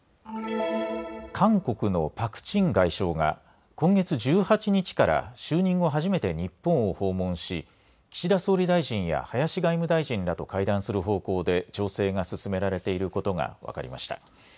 韓国のパク・チン外相が今月１８日から就任後、初めて日本を訪問し岸田総理大臣や林外務大臣らと会談する方向で調整が進められていることが分かりました。